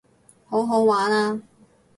好好玩啊